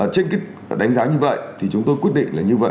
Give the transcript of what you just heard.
trên cái đánh giá như vậy thì chúng tôi quyết định là như vậy